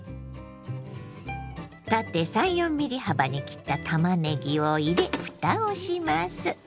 縦３４ｍｍ幅に切ったたまねぎを入れふたをします。